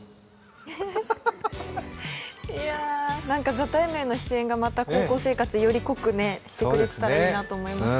「ＴＨＥＴＩＭＥ，」への出演が高校生活をより濃くしてくれてたらいいなと思いました。